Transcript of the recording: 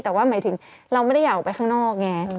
แต่ว่าหมายถึงเราไม่ได้อยากออกไปข้างนอกไง